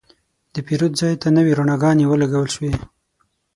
د پیرود ځای ته نوې رڼاګانې ولګول شوې.